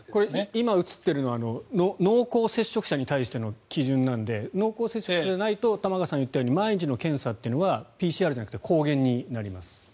今、映っているのは濃厚接触者に対しての基準なので濃厚接触者じゃないと玉川さんが言ったように毎日の検査というのはＰＣＲじゃなくて抗原になります。